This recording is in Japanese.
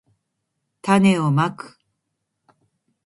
たねをまく